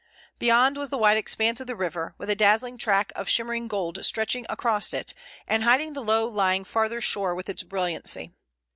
Beyond was the wide expanse of the river, with a dazzling track of shimmering gold stretching across it and hiding the low lying farther shore with its brilliancy.